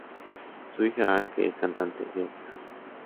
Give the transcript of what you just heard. Su hija Anke es cantante de ópera.